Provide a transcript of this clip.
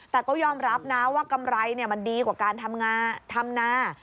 แต่ก็ยอมรับนะว่ากำไรมันดีกว่าการทำนา